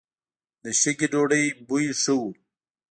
د شګې ډوډۍ بوی ښه و.